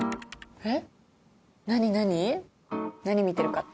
えっ